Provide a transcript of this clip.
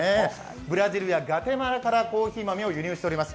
ブラジルやガテマラからコーヒー豆を輸入しています。